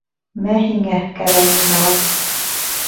Мә һиңә, кәрәгенде ал!